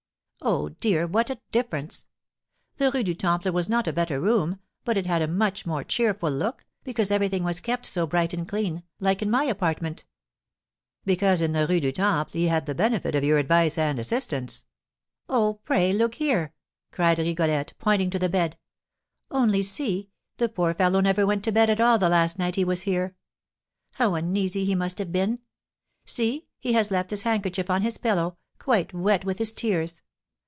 Oh, dear, what a difference! The Rue du Temple was not a better room, but it had a much more cheerful look, because everything was kept so bright and clean, like in my apartment!" "Because in the Rue du Temple he had the benefit of your advice and assistance." "Oh, pray look here!" cried Rigolette, pointing to the bed. "Only see, the poor fellow never went to bed at all the last night he was here! How uneasy he must have been! See, he has left his handkerchief on his pillow, quite wet with his tears!